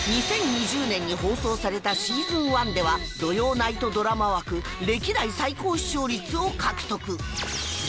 ２０２０年に放送されたシーズン１では土曜ナイトドラマ枠歴代最高視聴率を獲得